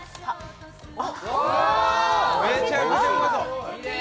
めちゃくちゃ、うまそう。